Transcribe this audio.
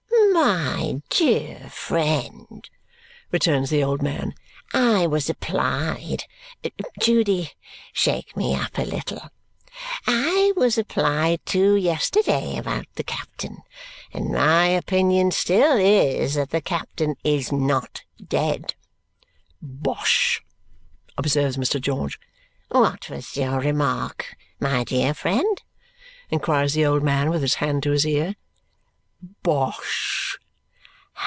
"My dear friend," returns the old man, "I was applied Judy, shake me up a little! I was applied to yesterday about the captain, and my opinion still is that the captain is not dead." "Bosh!" observes Mr. George. "What was your remark, my dear friend?" inquires the old man with his hand to his ear. "Bosh!"